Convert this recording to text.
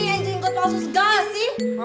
yang jinggot masuk segala sih